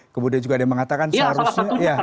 kemudian juga ada yang mengatakan seharusnya